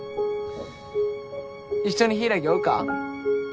一緒に柊追うか？